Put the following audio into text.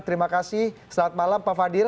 terima kasih selamat malam pak fadil